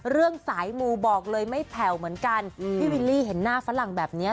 เรื่องสายมูบอกเลยไม่แผ่วเหมือนกันพี่วิลลี่เห็นหน้าฝรั่งแบบนี้